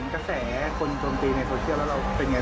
กระแสคนชงตีในโซเชียเราเป็นอย่างไรบ้าง